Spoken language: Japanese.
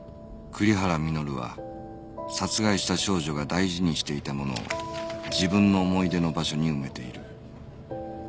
栗原稔は殺害した少女が大事にしていたものを自分の思い出の場所に埋めている